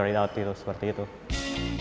persahabatan dengan mengutamakan profesionalnya